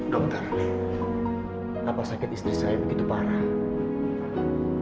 dokter apa sakit istri saya begitu parah